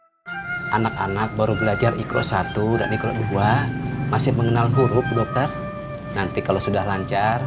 hai anak anak baru belajar ikhlas satu dan ikhlas dua masih mengenal huruf dokter nanti kalau sudah lancar